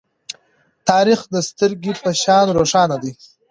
تاریخ د سترگې په شان روښانه ده.